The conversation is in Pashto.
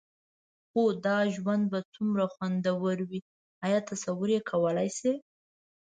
خو دا ژوند به څومره خوندور وي؟ ایا تصور یې کولای شئ؟